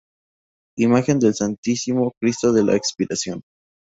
Imagen del Santísimo Cristo de la Expiración.